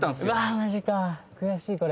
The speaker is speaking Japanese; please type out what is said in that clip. マジか悔しいこれ。